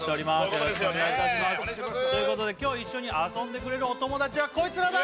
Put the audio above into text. よろしくお願いいたしますということで今日一緒に遊んでくれるお友達はこいつらだ！